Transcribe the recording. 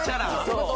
そう。